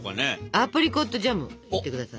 アプリコットジャムを塗ってください。